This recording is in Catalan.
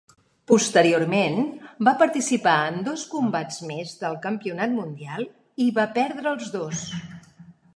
Posteriorment, va participar en dos combats més del campionat mundial i va perdre els dos.